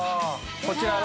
こちらは？